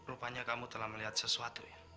rupanya kamu telah melihat sesuatu ya